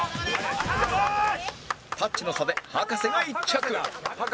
タッチの差で葉加瀬が１着